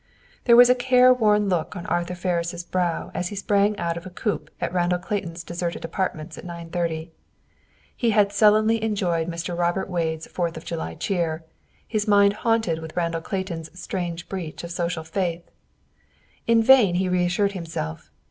There was a careworn look on Arthur Ferris' brow as he sprang out of a coupe at Randall Clayton's deserted apartments at nine thirty. He had sullenly enjoyed Mr. Robert Wade's Fourth of July cheer, his mind haunted with Randall Clayton's strange breach of social faith. In vain he reassured himself.